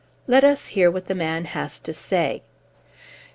"Let us hear what the man has to say."